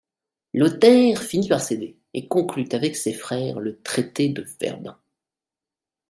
Lothaire finit par céder et conclut avec ses frères le traité de Verdun.